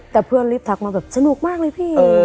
แต่เพื่อนรีบทักมาแบบสนุกมากเลยพี่